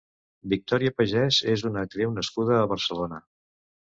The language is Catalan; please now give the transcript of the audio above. Victòria Pagès és una actriu nascuda a Barcelona.